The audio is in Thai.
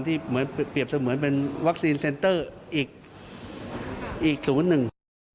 เหมือนเปรียบเสมือนเป็นวัคซีนเซนเตอร์อีกศูนย์หนึ่ง